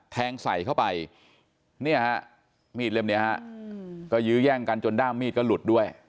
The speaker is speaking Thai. แทงใส่เข้าไปเนี่ยฮะมีดเล่มนี้ฮะก็ยื้อแย่งกันจนด้ามมีดก็หลุดด้วย